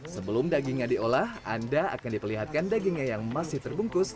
sebelum dagingnya diolah anda akan diperlihatkan dagingnya yang masih terbungkus